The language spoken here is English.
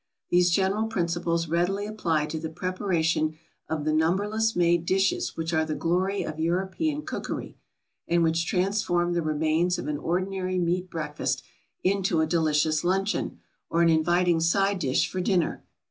These general principles readily apply to the preparation of the numberless made dishes which are the glory of European cookery, and which transform the remains of an ordinary meat breakfast into a delicious luncheon, or an inviting side dish for dinner.